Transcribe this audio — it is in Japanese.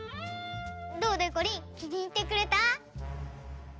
どう？でこりんきにいってくれた？